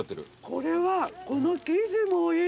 これはこの生地もいい。